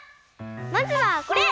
まずはこれ！